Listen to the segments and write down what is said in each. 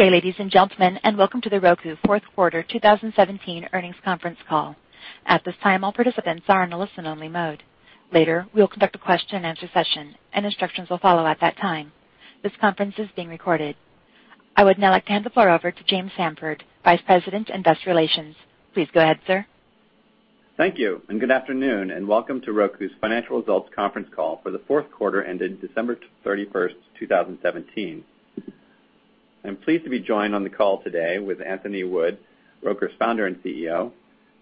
Good day, ladies and gentlemen, and welcome to Roku fourth quarter 2017 earnings conference call. At this time, all participants are in a listen-only mode. Later, we will conduct a question-and-answer session, and instructions will follow at that time. This conference is being recorded. I would now like to hand the floor over to James Samford, Vice President, Investor Relations. Please go ahead, sir. Thank you, and good afternoon, and welcome to Roku's financial results conference call for the fourth quarter ended December 31, 2017. I'm pleased to be joined on the call today with Anthony Wood, Roku's Founder and CEO,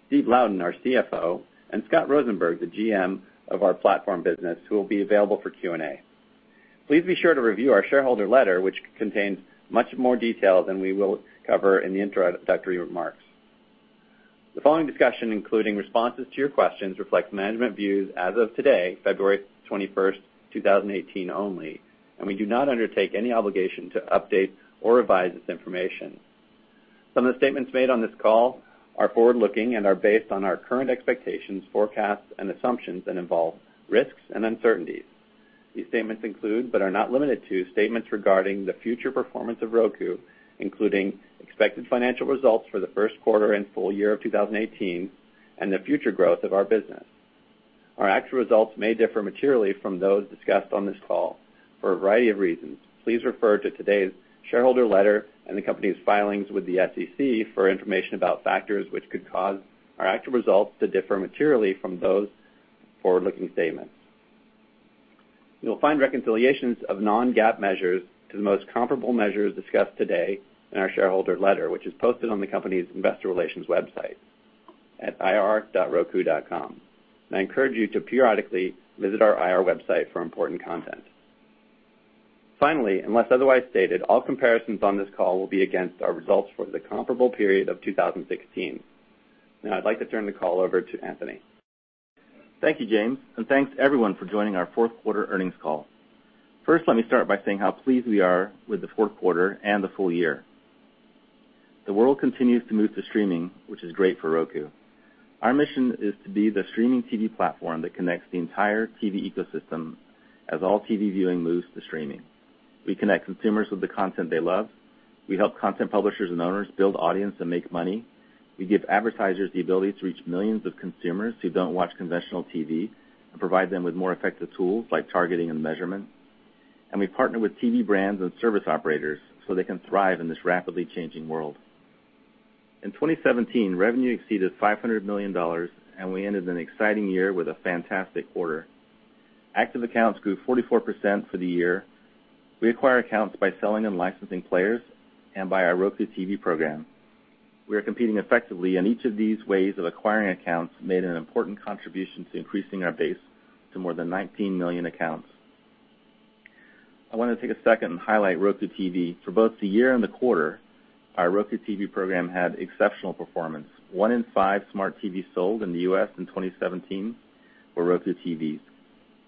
Steve Louden, our CFO, and Scott Rosenberg, the GM of our platform business, who will be available for Q&A. Please be sure to review our shareholder letter, which contains much more detail than we will cover in the introductory remarks. The following discussion, including responses to your questions, reflects management views as of today, February 21, 2018 only, and we do not undertake any obligation to update or revise this information. Some of the statements made on this call are forward-looking and are based on our current expectations, forecasts, and assumptions that involve risks and uncertainties. These statements include, but are not limited to, statements regarding the future performance of Roku, including expected financial results for the first quarter and full year of 2018 and the future growth of our business. Our actual results may differ materially from those discussed on this call for a variety of reasons. Please refer to today's shareholder letter and the company's filings with the SEC for information about factors which could cause our actual results to differ materially from those forward-looking statements. You will find reconciliations of non-GAAP measures to the most comparable measures discussed today in our shareholder letter, which is posted on the company's investor relations website at ir.roku.com. I encourage you to periodically visit our IR website for important content. Finally, unless otherwise stated, all comparisons on this call will be against our results for the comparable period of 2016. Now, I'd like to turn the call over to Anthony. Thank you, James, and thanks, everyone, for joining our fourth quarter earnings call. First, let me start by saying how pleased we are with the fourth quarter and the full year. The world continues to move to streaming, which is great for Roku. Our mission is to be the streaming TV platform that connects the entire TV ecosystem as all TV viewing moves to streaming. We connect consumers with the content they love. We help content publishers and owners build audience and make money. We give advertisers the ability to reach millions of consumers who don't watch conventional TV and provide them with more effective tools like targeting and measurement. We partner with TV brands and service operators so they can thrive in this rapidly changing world. In 2017, revenue exceeded $500 million, and we ended an exciting year with a fantastic quarter. Active accounts grew 44% for the year. We acquire accounts by selling and licensing players and by our Roku TV program. We are competing effectively, and each of these ways of acquiring accounts made an important contribution to increasing our base to more than 19 million accounts. I want to take a second and highlight Roku TV. For both the year and the quarter, our Roku TV program had exceptional performance. One in five smart TVs sold in the U.S. in 2017 were Roku TVs.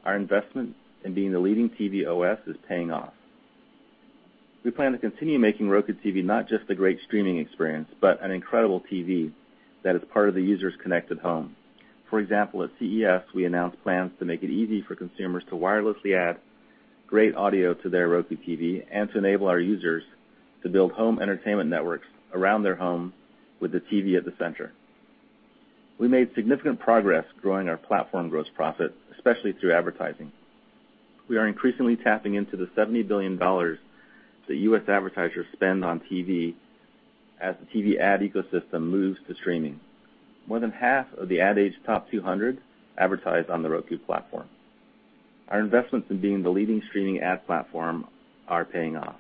Our investment in being the leading TV OS is paying off. We plan to continue making Roku TV not just a great streaming experience, but an incredible TV that is part of the user's connected home. For example, at CES, we announced plans to make it easy for consumers to wirelessly add great audio to their Roku TV and to enable our users to build home entertainment networks around their home with the TV at the center. We made significant progress growing our platform gross profit, especially through advertising. We are increasingly tapping into the $70 billion that U.S. advertisers spend on TV as the TV ad ecosystem moves to streaming. More than half of the Ad Age top 200 advertise on the Roku platform. Our investments in being the leading streaming ad platform are paying off.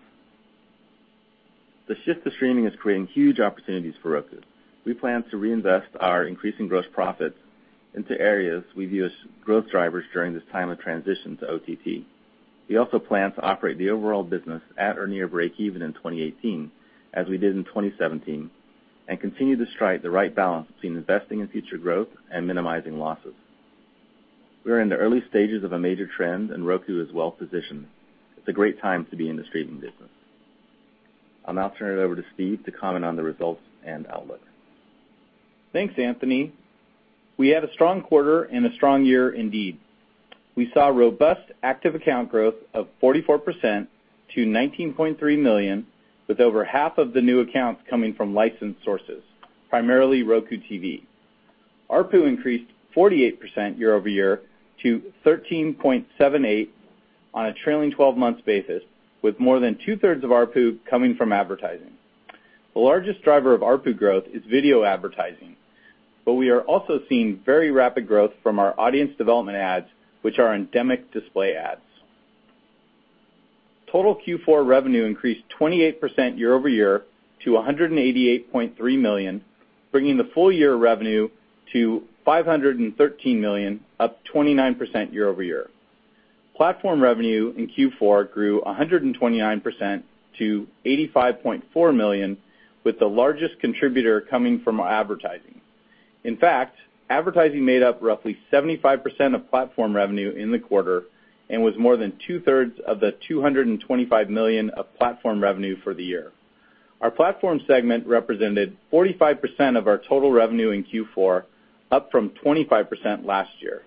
The shift to streaming is creating huge opportunities for Roku. We plan to reinvest our increasing gross profits into areas we view as growth drivers during this time of transition to OTT. We also plan to operate the overall business at or near breakeven in 2018 as we did in 2017 and continue to strike the right balance between investing in future growth and minimizing losses. We are in the early stages of a major trend, Roku is well-positioned. It's a great time to be in the streaming business. I'll now turn it over to Steve to comment on the results and outlook. Thanks, Anthony. We had a strong quarter and a strong year indeed. We saw robust active account growth of 44% to 19.3 million, with over half of the new accounts coming from licensed sources, primarily Roku TV. ARPU increased 48% year-over-year to $13.78 on a trailing 12-months basis, with more than two-thirds of ARPU coming from advertising. The largest driver of ARPU growth is video advertising, but we are also seeing very rapid growth from our audience development ads, which are endemic display ads. Total Q4 revenue increased 28% year-over-year to $188.3 million, bringing the full year revenue to $513 million, up 29% year-over-year. Platform revenue in Q4 grew 129% to $85.4 million, with the largest contributor coming from advertising. Advertising made up roughly 75% of platform revenue in the quarter and was more than two-thirds of the $225 million of platform revenue for the year. Our platform segment represented 45% of our total revenue in Q4, up from 25% last year.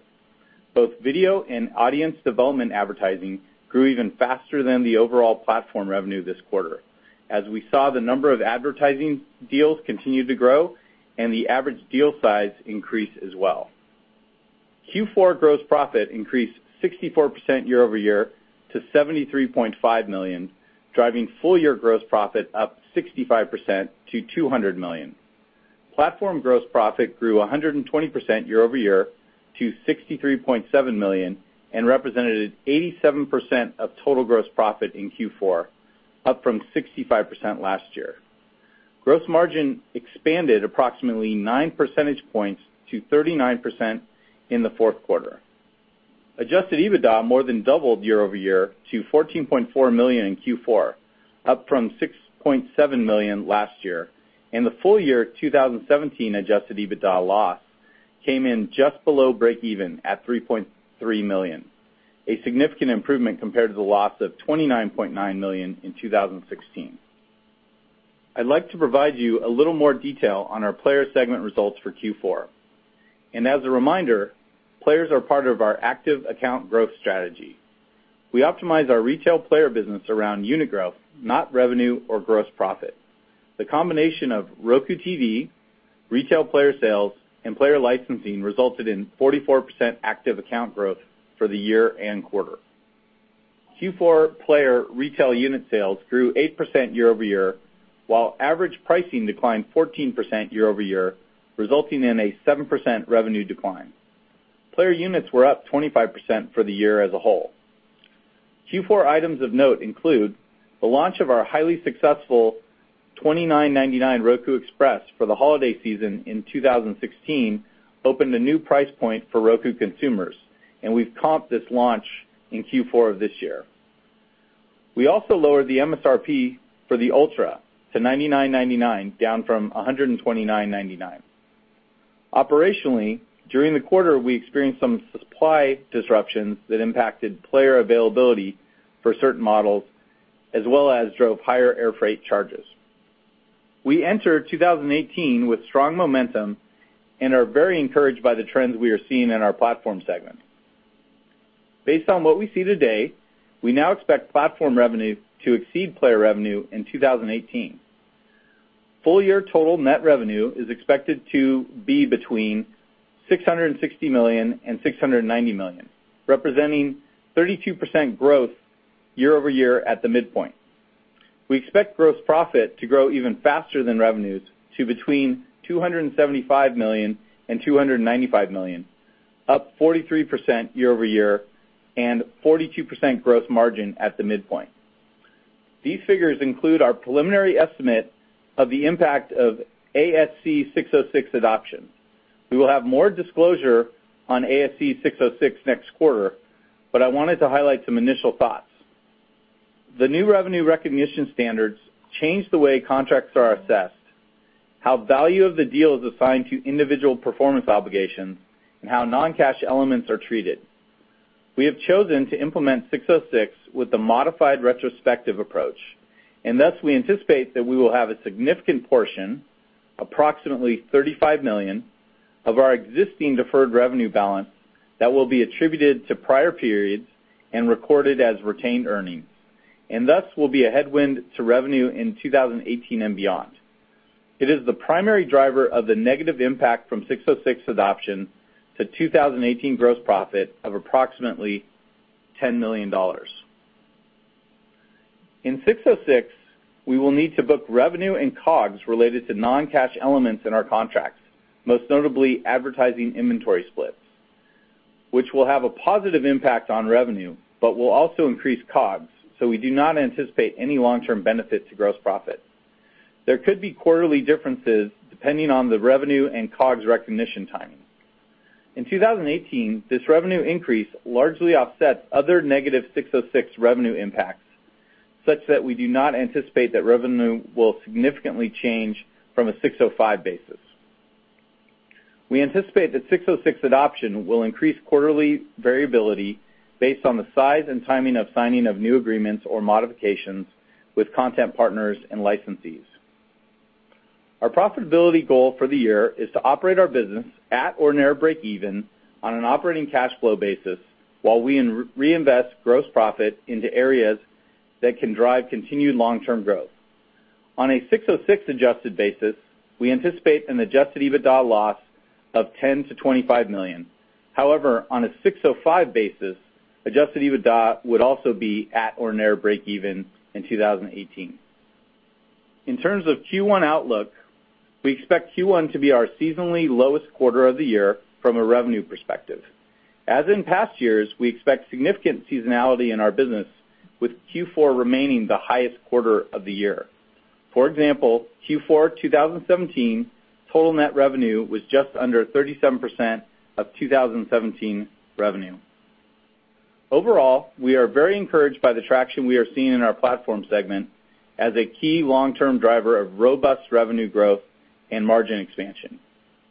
Both video and audience development advertising grew even faster than the overall platform revenue this quarter, as we saw the number of advertising deals continue to grow and the average deal size increase as well. Q4 gross profit increased 64% year-over-year to $73.5 million, driving full year gross profit up 65% to $200 million. Platform gross profit grew 120% year-over-year to $63.7 million, and represented 87% of total gross profit in Q4, up from 65% last year. Gross margin expanded approximately nine percentage points to 39% in the fourth quarter. Adjusted EBITDA more than doubled year-over-year to $14.4 million in Q4, up from $6.7 million last year. The full year 2017 Adjusted EBITDA loss came in just below break even at $3.3 million, a significant improvement compared to the loss of $29.9 million in 2016. I'd like to provide you a little more detail on our player segment results for Q4. As a reminder, players are part of our active account growth strategy. We optimize our retail player business around unit growth, not revenue or gross profit. The combination of Roku TV, retail player sales, and player licensing resulted in 44% active account growth for the year and quarter. Q4 player retail unit sales grew 8% year-over-year, while average pricing declined 14% year-over-year, resulting in a 7% revenue decline. Player units were up 25% for the year as a whole. Q4 items of note include the launch of our highly successful $29.99 Roku Express for the holiday season in 2016 opened a new price point for Roku consumers, and we've comped this launch in Q4 of this year. We also lowered the MSRP for the Roku Ultra to $99.99, down from $129.99. Operationally, during the quarter, we experienced some supply disruptions that impacted player availability for certain models, as well as drove higher air freight charges. We enter 2018 with strong momentum and are very encouraged by the trends we are seeing in our Platform Segment. Based on what we see today, we now expect Platform revenue to exceed player revenue in 2018. Full year total net revenue is expected to be between $660 million and $690 million, representing 32% growth year-over-year at the midpoint. We expect gross profit to grow even faster than revenues to between $275 million and $295 million, up 43% year-over-year, and 42% gross margin at the midpoint. These figures include our preliminary estimate of the impact of ASC 606 adoption. We will have more disclosure on ASC 606 next quarter. I wanted to highlight some initial thoughts. The new revenue recognition standards change the way contracts are assessed, how value of the deal is assigned to individual performance obligations, and how non-cash elements are treated. We have chosen to implement 606 with the modified retrospective approach. Thus, we anticipate that we will have a significant portion, approximately $35 million, of our existing deferred revenue balance that will be attributed to prior periods and recorded as retained earnings. Thus, will be a headwind to revenue in 2018 and beyond. It is the primary driver of the negative impact from 606 adoption to 2018 gross profit of approximately $10 million. In 606, we will need to book revenue and COGS related to non-cash elements in our contracts, most notably advertising inventory splits, which will have a positive impact on revenue. Will also increase COGS, so we do not anticipate any long-term benefit to gross profit. There could be quarterly differences depending on the revenue and COGS recognition timing. In 2018, this revenue increase largely offsets other negative 606 revenue impacts, such that we do not anticipate that revenue will significantly change from a 605 basis. We anticipate that 606 adoption will increase quarterly variability based on the size and timing of signing of new agreements or modifications with content partners and licensees. Our profitability goal for the year is to operate our business at or near break-even on an operating cash flow basis while we reinvest gross profit into areas that can drive continued long-term growth. On a 606 adjusted basis, we anticipate an adjusted EBITDA loss of $10 million to $25 million. On a 605 basis, adjusted EBITDA would also be at or near break-even in 2018. In terms of Q1 outlook, we expect Q1 to be our seasonally lowest quarter of the year from a revenue perspective. As in past years, we expect significant seasonality in our business, with Q4 remaining the highest quarter of the year. For example, Q4 2017, total net revenue was just under 37% of 2017 revenue. Overall, we are very encouraged by the traction we are seeing in our Platform Segment as a key long-term driver of robust revenue growth and margin expansion,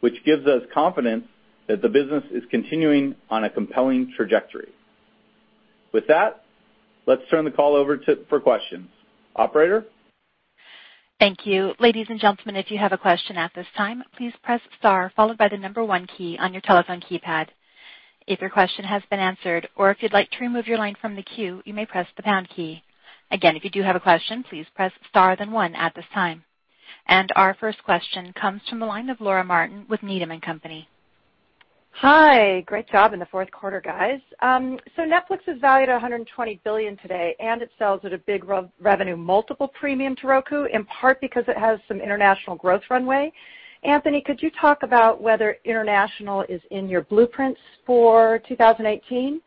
which gives us confidence that the business is continuing on a compelling trajectory. Let's turn the call over for questions. Operator? Thank you. Ladies and gentlemen, if you have a question at this time, please press star followed by the number one key on your telephone keypad. If your question has been answered or if you would like to remove your line from the queue, you may press the pound key. Again, if you do have a question, please press star then one at this time. Our first question comes from the line of Laura Martin with Needham & Company. Hi. Great job in the fourth quarter, guys. Netflix is valued at $120 billion today, and it sells at a big revenue multiple premium to Roku, in part because it has some international growth runway. Anthony, could you talk about whether international is in your blueprints for 2018?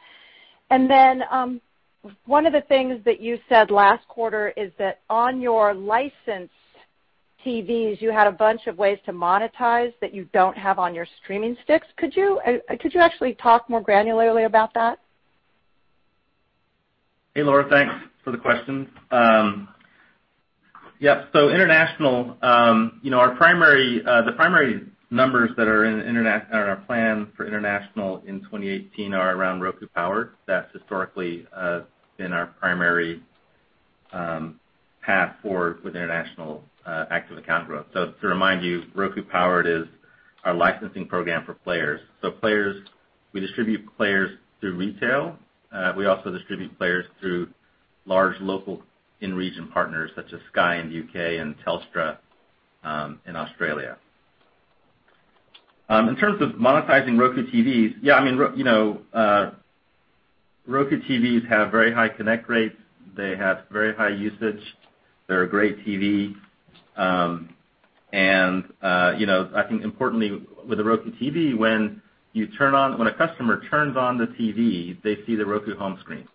One of the things that you said last quarter is that on your licensed TVs, you had a bunch of ways to monetize that you don't have on your streaming sticks. Could you actually talk more granularly about that? Hey, Laura. Thanks for the question. Yep. International, the primary numbers that are in our plan for international in 2018 are around Roku Powered. That's historically been our primary path forward with international active account growth. To remind you, Roku Powered is our licensing program for players. Players, we distribute players through retail. We also distribute players through large local in-region partners such as Sky in the U.K. and Telstra in Australia. In terms of monetizing Roku TVs, Roku TVs have very high connect rates. They have very high usage. They're a great TV. I think importantly with the Roku TV, when a customer turns on the TV, they see the Roku home screen.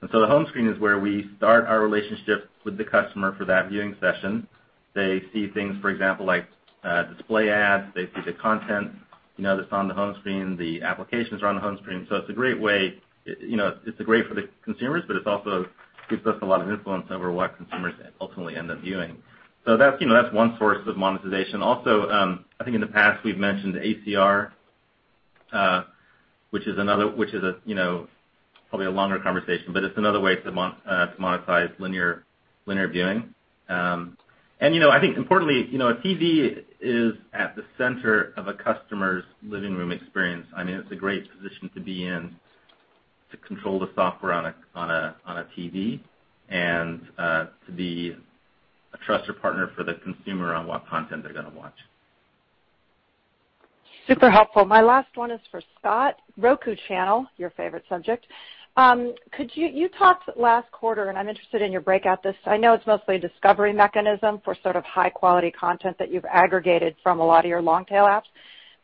The home screen is where we start our relationship with the customer for that viewing session. They see things, for example, like display ads. They see the content that's on the home screen, the applications that are on the home screen. It's great for the consumers, but it also gives us a lot of influence over what consumers ultimately end up viewing. That's one source of monetization. Also, I think in the past we've mentioned ACR, which is probably a longer conversation, but it's another way to monetize linear viewing. I think importantly, a TV is at the center of a customer's living room experience. It's a great position to be in to control the software on a TV and to be a trusted partner for the consumer on what content they're going to watch. Super helpful. My last one is for Scott. The Roku Channel, your favorite subject. You talked last quarter, and I'm interested in your breakout. I know it's mostly a discovery mechanism for sort of high-quality content that you've aggregated from a lot of your long-tail apps.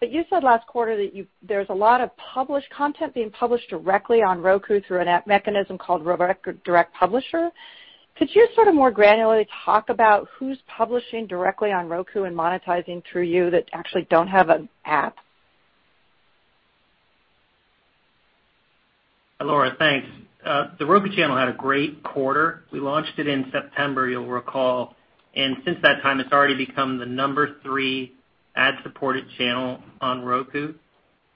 You said last quarter that there's a lot of content being published directly on Roku through a mechanism called Roku Direct Publisher. Could you sort of more granularly talk about who's publishing directly on Roku and monetizing through you that actually don't have an app? Laura, thanks. The Roku Channel had a great quarter. We launched it in September, you'll recall. Since that time, it's already become the number 3 ad-supported channel on Roku.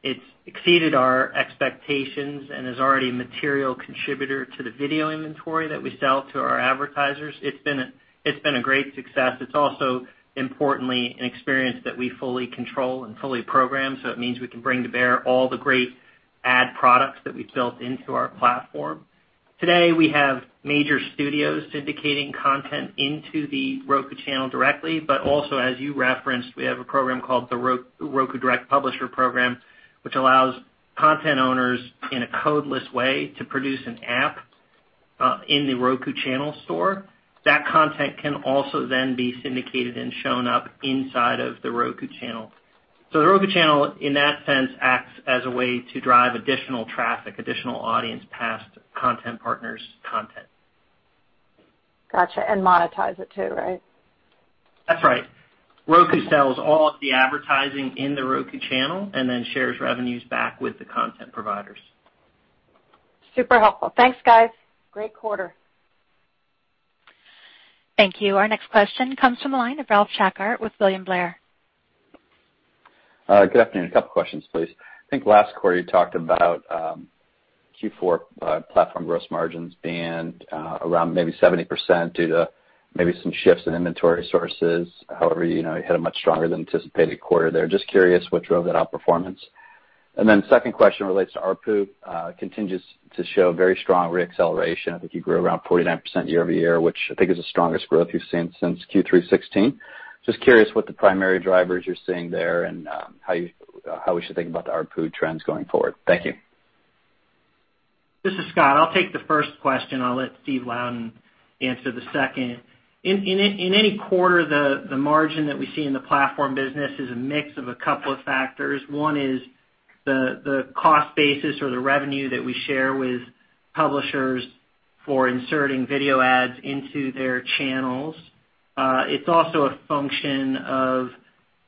It's exceeded our expectations and is already a material contributor to the video inventory that we sell to our advertisers. It's been a great success. It's also, importantly, an experience that we fully control and fully program. It means we can bring to bear all the great ad products that we've built into our platform. Today, we have major studios syndicating content into The Roku Channel directly. Also, as you referenced, we have a program called the Roku Direct Publisher program, which allows content owners, in a codeless way, to produce an app in the Roku Channel store. That content can also be syndicated and shown up inside of The Roku Channel. The Roku Channel, in that sense, acts as a way to drive additional traffic, additional audience past content partners' content. Got you. Monetize it too, right? That's right. Roku sells all of the advertising in The Roku Channel and then shares revenues back with the content providers. Super helpful. Thanks, guys. Great quarter. Thank you. Our next question comes from the line of Ralph Schackart with William Blair. Good afternoon. A couple of questions, please. I think last quarter you talked about Q4 platform gross margins being around maybe 70% due to maybe some shifts in inventory sources. However, you had a much stronger than anticipated quarter there. Just curious what drove that outperformance. Second question relates to ARPU. Continues to show very strong re-acceleration. I think you grew around 49% year-over-year, which I think is the strongest growth you've seen since Q3 '16. Just curious what the primary drivers you're seeing there and how we should think about the ARPU trends going forward. Thank you. This is Scott. I'll take the first question. I'll let Steve Louden answer the second. In any quarter, the margin that we see in the platform business is a mix of a couple of factors. One is the cost basis or the revenue that we share with publishers for inserting video ads into their channels. It's also a function of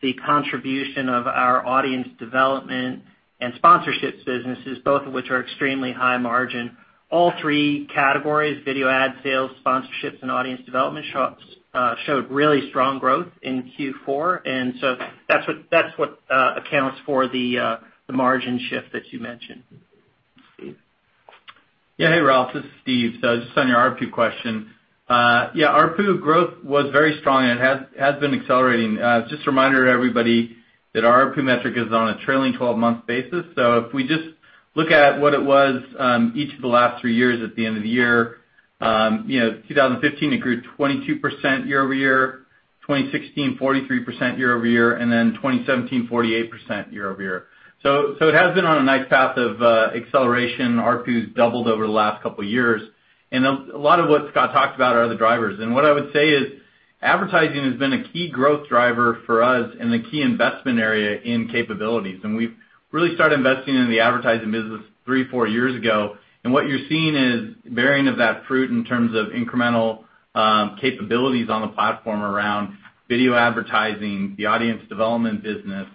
the contribution of our audience development and sponsorships businesses, both of which are extremely high margin. All three categories, video ad sales, sponsorships, and audience development showed really strong growth in Q4. That's what accounts for the margin shift that you mentioned. Steve? Hey, Ralph. This is Steve Louden. Just on your ARPU question. ARPU growth was very strong and has been accelerating. Just a reminder to everybody that our ARPU metric is on a trailing 12-month basis. If we just look at what it was each of the last three years at the end of the year, 2015, it grew 22% year-over-year, 2016, 43% year-over-year, 2017, 48% year-over-year. It has been on a nice path of acceleration. ARPU's doubled over the last couple of years. A lot of what Scott talked about are the drivers. What I would say is advertising has been a key growth driver for us and a key investment area in capabilities. We've really started investing in the advertising business three, four years ago. What you're seeing is bearing of that fruit in terms of incremental capabilities on the platform around video advertising, the audience development business,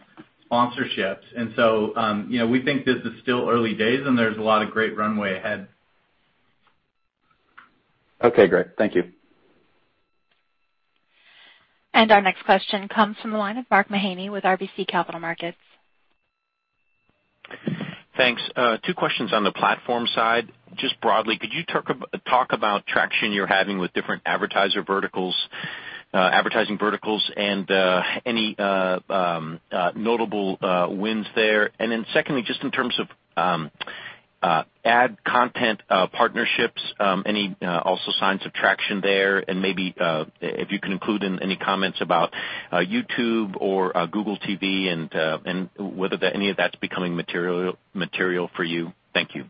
sponsorships. We think this is still early days and there's a lot of great runway ahead. Okay, great. Thank you. Our next question comes from the line of Mark Mahaney with RBC Capital Markets. Thanks. Two questions on the platform side. Just broadly, could you talk about traction you're having with different advertiser verticals, advertising verticals and any notable wins there? Secondly, just in terms of ad content partnerships, any also signs of traction there? Maybe, if you can include any comments about YouTube or Google TV and whether any of that's becoming material for you. Thank you.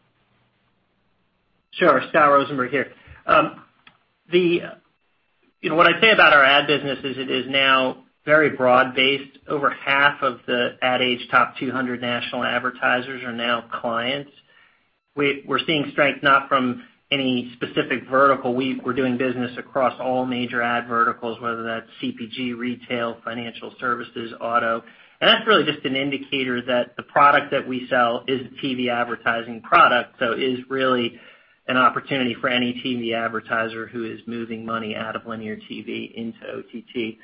Sure. Scott Rosenberg here. What I'd say about our ad business is it is now very broad-based. Over half of the Ad Age Top 200 national advertisers are now clients. We're seeing strength not from any specific vertical. We're doing business across all major ad verticals, whether that's CPG, retail, financial services, auto. That's really just an indicator that the product that we sell is a TV advertising product, so is really an opportunity for any TV advertiser who is moving money out of linear TV into OTT.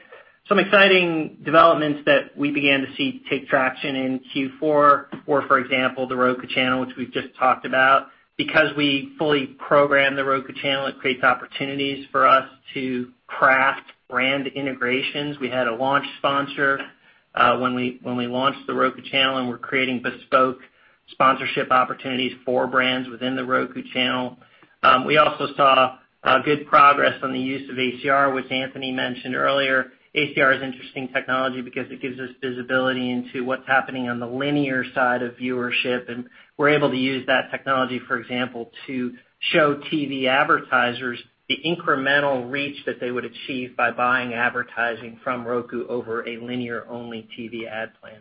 Some exciting developments that we began to see take traction in Q4 were, for example, The Roku Channel, which we've just talked about. Because we fully program The Roku Channel, it creates opportunities for us to craft brand integrations. We had a launch sponsor when we launched The Roku Channel, we're creating bespoke sponsorship opportunities for brands within The Roku Channel. We also saw good progress on the use of ACR, which Anthony mentioned earlier. ACR is interesting technology because it gives us visibility into what's happening on the linear side of viewership, we're able to use that technology, for example, to show TV advertisers the incremental reach that they would achieve by buying advertising from Roku over a linear-only TV ad plan.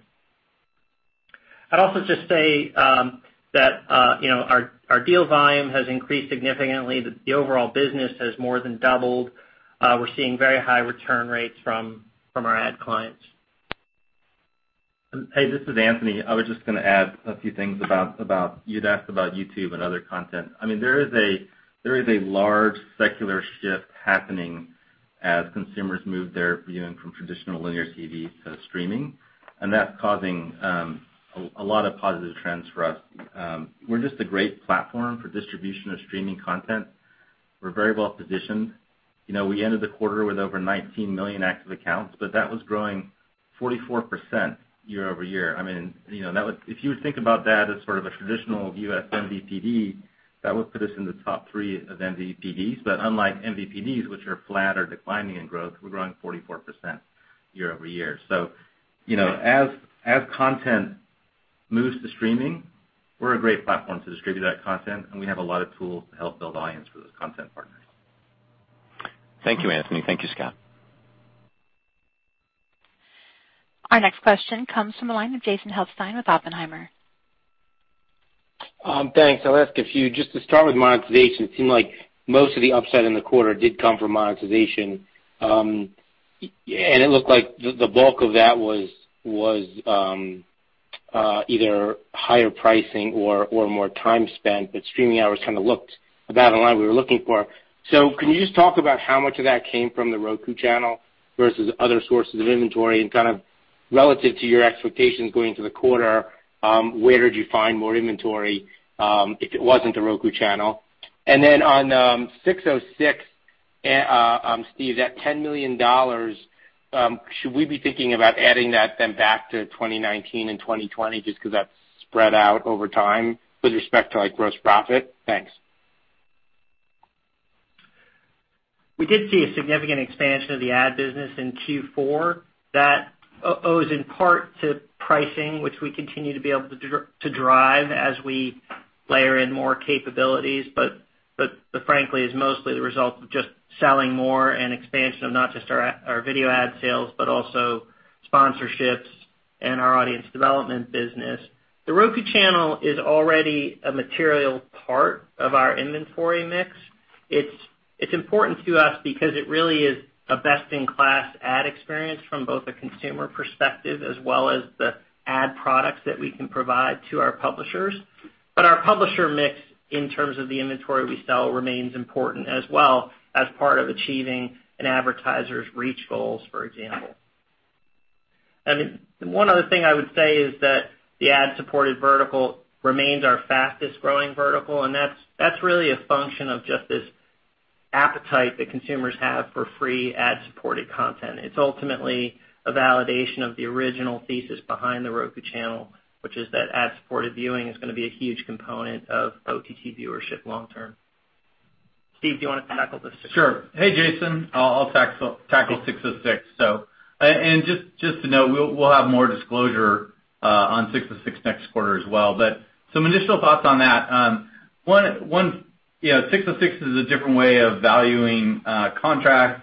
I'd also just say that our deal volume has increased significantly. The overall business has more than doubled. We're seeing very high return rates from our ad clients. Hey, this is Anthony. I was just going to add a few things about YouTube and other content. There is a large secular shift happening as consumers move their viewing from traditional linear TV to streaming, and that's causing a lot of positive trends for us. We're just a great platform for distribution of streaming content. We're very well positioned. We ended the quarter with over 19 million active accounts, but that was growing 44% year-over-year. If you would think about that as sort of a traditional U.S. MVPD, that would put us in the top three of MVPDs. Unlike MVPDs, which are flat or declining in growth, we're growing 44% year-over-year. As content moves to streaming, we're a great platform to distribute that content, and we have a lot of tools to help build audience for those content partners. Thank you, Anthony. Thank you, Scott. Our next question comes from the line of Jason Helfstein with Oppenheimer. Thanks. I'll ask a few. Just to start with monetization, it seemed like most of the upside in the quarter did come from monetization. It looked like the bulk of that was either higher pricing or more time spent, but streaming hours kind of looked about in line we were looking for. Can you just talk about how much of that came from The Roku Channel versus other sources of inventory and kind of relative to your expectations going into the quarter, where did you find more inventory, if it wasn't The Roku Channel? On 606, Steve, that $10 million, should we be thinking about adding that then back to 2019 and 2020 just because that's spread out over time with respect to gross profit? Thanks. We did see a significant expansion of the ad business in Q4. That owes in part to pricing, which we continue to be able to drive as we layer in more capabilities. Frankly, is mostly the result of just selling more and expansion of not just our video ad sales, but also sponsorships and our audience development business. The Roku Channel is already a material part of our inventory mix. It's important to us because it really is a best-in-class ad experience from both a consumer perspective as well as the ad products that we can provide to our publishers. Our publisher mix in terms of the inventory we sell remains important as well as part of achieving an advertiser's reach goals, for example. One other thing I would say is that the ad-supported vertical remains our fastest-growing vertical, and that's really a function of just this appetite that consumers have for free ad-supported content. It's ultimately a validation of the original thesis behind The Roku Channel, which is that ad-supported viewing is going to be a huge component of OTT viewership long term. Steve, do you want to tackle the- Sure. Hey, Jason. I'll tackle 606. Just to note, we'll have more disclosure on 606 next quarter as well, but some initial thoughts on that. 606 is a different way of valuing contracts,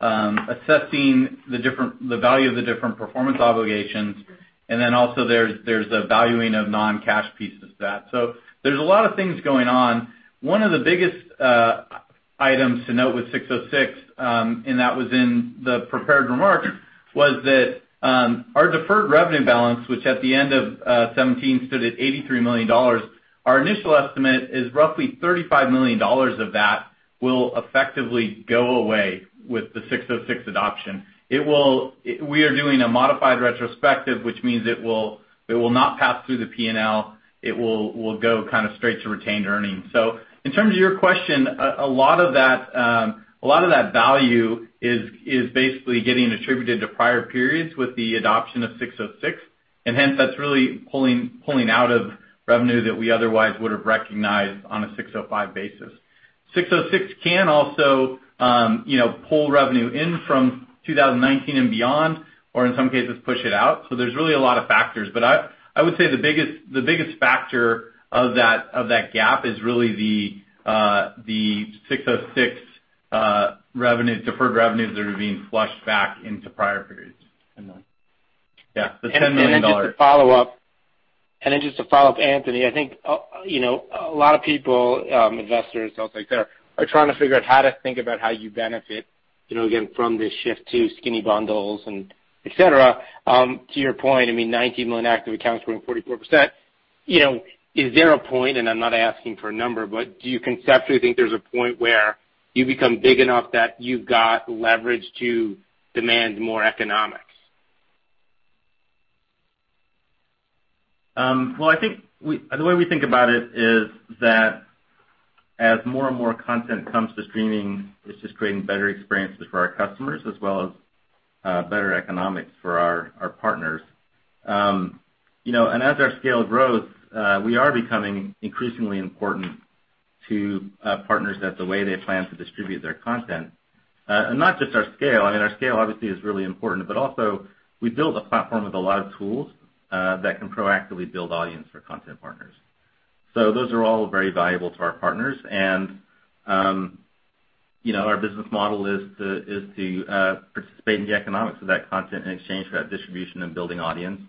assessing the value of the different performance obligations, and then also there's the valuing of non-cash pieces of that. There's a lot of things going on. One of the biggest items to note with 606, and that was in the prepared remarks, was that our deferred revenue balance, which at the end of 2017 stood at $83 million. Our initial estimate is roughly $35 million of that will effectively go away with the 606 adoption. We are doing a modified retrospective, which means it will not pass through the P&L. It will go straight to retained earnings. In terms of your question, a lot of that value is basically getting attributed to prior periods with the adoption of 606, and hence that's really pulling out of revenue that we otherwise would have recognized on a 605 basis. 606 can also pull revenue in from 2019 and beyond, or in some cases, push it out. There's really a lot of factors. I would say the biggest factor of that gap is really the 606 deferred revenues that are being flushed back into prior periods. $10 million. Yeah, the $10 million. just to follow up, Anthony, I think, a lot of people, investors, adults out there are trying to figure out how to think about how you benefit, again, from this shift to skinny bundles, and et cetera. To your point, 19 million active accounts growing 44%. Is there a point, and I'm not asking for a number, but do you conceptually think there's a point where you become big enough that you've got leverage to demand more economics? Well, the way we think about it is that as more and more content comes to streaming, it's just creating better experiences for our customers as well as better economics for our partners. as our scale grows, we are becoming increasingly important to partners that the way they plan to distribute their content. not just our scale, our scale obviously is really important, but also we build a platform with a lot of tools that can proactively build audience for content partners. those are all very valuable to our partners. our business model is to participate in the economics of that content in exchange for that distribution and building audience,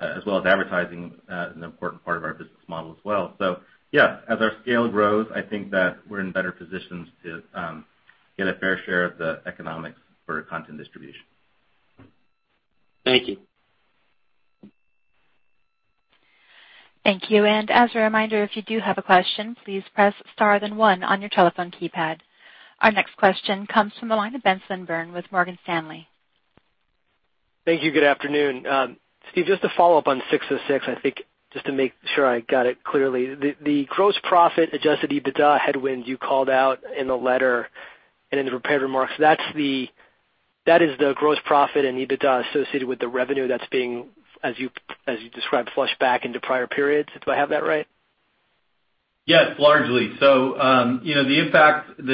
as well as advertising, an important part of our business model as well. Yeah, as our scale grows, I think that we're in better positions to get a fair share of the economics for content distribution. Thank you. Thank you. As a reminder, if you do have a question, please press star then one on your telephone keypad. Our next question comes from the line of Ben Swinburne with Morgan Stanley. Thank you. Good afternoon. Steve, just to follow up on ASC 606, I think just to make sure I got it clearly, the gross profit adjusted EBITDA headwinds you called out in the letter and in the prepared remarks, that is the gross profit and EBITDA associated with the revenue that's being, as you described, flushed back into prior periods. Do I have that right? Yes, largely. The impact of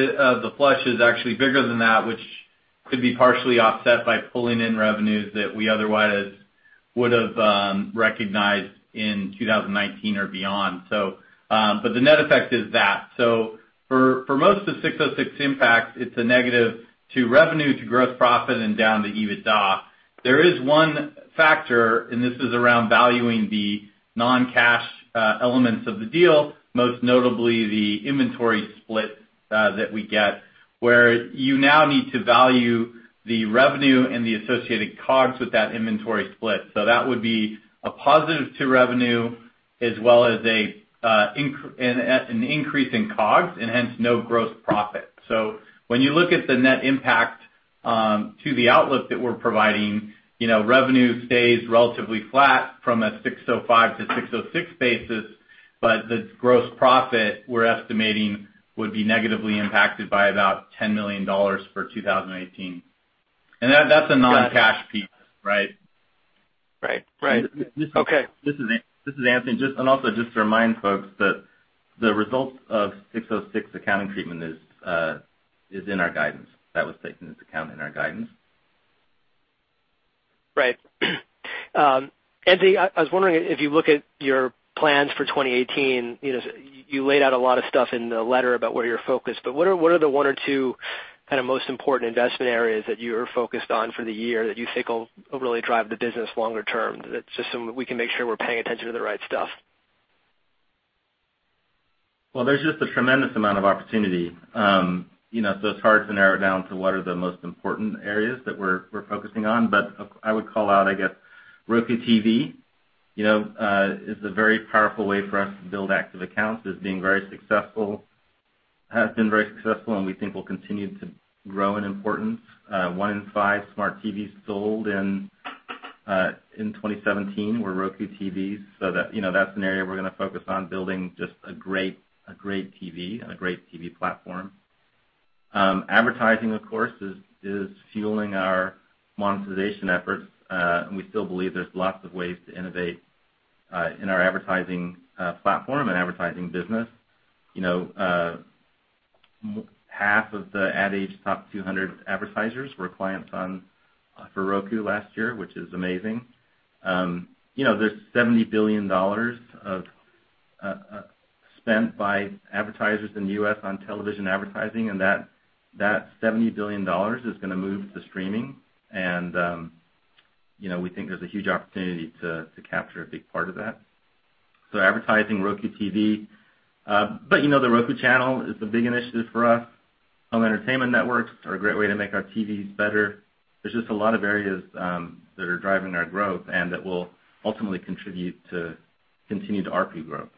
the flush is actually bigger than that, which could be partially offset by pulling in revenues that we otherwise would have recognized in 2019 or beyond. The net effect is that. For most of the ASC 606 impact, it's a negative to revenue, to gross profit, and down to EBITDA. There is one factor, and this is around valuing the non-cash elements of the deal, most notably the inventory split that we get, where you now need to value the revenue and the associated COGS with that inventory split. That would be a positive to revenue as well as an increase in COGS, and hence no gross profit. When you look at the net impact to the outlook that we're providing, revenue stays relatively flat from a ASC 605 to ASC 606 basis, the gross profit we're estimating would be negatively impacted by about $10 million for 2018. That's a non-cash piece, right? Right. Okay. This is Anthony. Also just to remind folks that the results of ASC 606 accounting treatment is in our guidance. That was taken into account in our guidance. Right. Anthony, I was wondering if you look at your plans for 2018, you laid out a lot of stuff in the letter about where you're focused, but what are the one or two most important investment areas that you are focused on for the year that you think will really drive the business longer term, just so we can make sure we're paying attention to the right stuff? Well, there's just a tremendous amount of opportunity. It's hard to narrow it down to what are the most important areas that we're focusing on. I would call out, I guess, Roku TV. It's a very powerful way for us to build active accounts. It's been very successful, and we think will continue to grow in importance. One in five smart TVs sold in 2017 were Roku TVs, so that's an area we're going to focus on building just a great TV and a great TV platform. Advertising, of course, is fueling our monetization efforts. We still believe there's lots of ways to innovate in our advertising platform and advertising business. Half of the Ad Age Top 200 advertisers were clients for Roku last year, which is amazing. There's $70 billion spent by advertisers in the U.S. on television advertising, and that $70 billion is going to move to streaming, and we think there's a huge opportunity to capture a big part of that. Advertising Roku TV. The Roku Channel is the big initiative for us. Home entertainment networks are a great way to make our TVs better. There's just a lot of areas that are driving our growth and that will ultimately contribute to continued ARPU growth.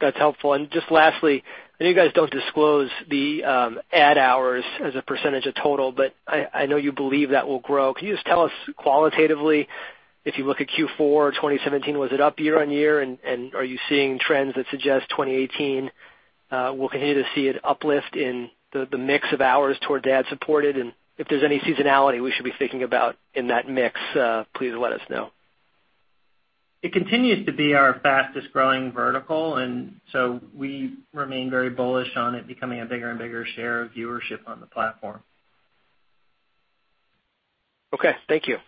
That's helpful. Just lastly, I know you guys don't disclose the ad hours as a percentage of total, but I know you believe that will grow. Can you just tell us qualitatively, if you look at Q4 2017, was it up year-over-year? Are you seeing trends that suggest 2018 will continue to see an uplift in the mix of hours toward ad-supported? If there's any seasonality we should be thinking about in that mix, please let us know. It continues to be our fastest-growing vertical, we remain very bullish on it becoming a bigger and bigger share of viewership on the platform. Okay, thank you.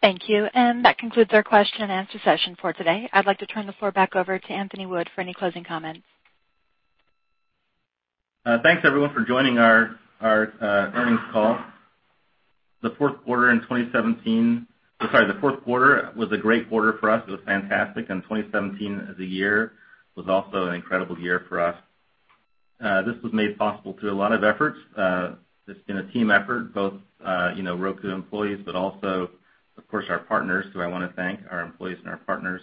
Thank you. That concludes our question and answer session for today. I'd like to turn the floor back over to Anthony Wood for any closing comments. Thanks, everyone, for joining our earnings call. The fourth quarter was a great quarter for us. It was fantastic. 2017, as a year, was also an incredible year for us. This was made possible through a lot of efforts. This has been a team effort, both Roku employees, but also, of course, our partners, who I want to thank, our employees and our partners.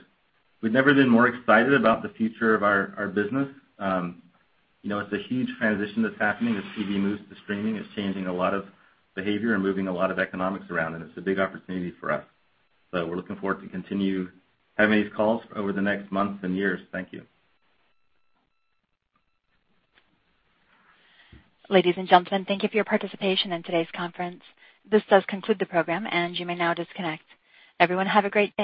We've never been more excited about the future of our business. It's a huge transition that's happening as TV moves to streaming. It's changing a lot of behavior and moving a lot of economics around, and it's a big opportunity for us. We're looking forward to continue having these calls over the next months and years. Thank you. Ladies and gentlemen, thank you for your participation in today's conference. This does conclude the program, and you may now disconnect. Everyone, have a great day.